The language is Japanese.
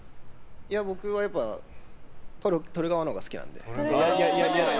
僕はやっぱりとる側のほうが好きなので。